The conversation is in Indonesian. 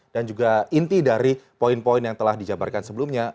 dan juga inti dari poin poin yang telah dijabarkan sebelumnya